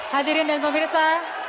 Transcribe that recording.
hadirin dan pemirsa